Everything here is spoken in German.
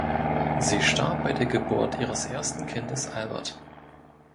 Sie starb bei der Geburt ihres ersten Kindes Albert.